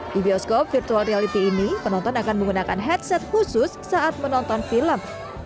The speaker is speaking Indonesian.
di bioskop virtual reality ini penonton akan menggunakan headset khusus saat menonton film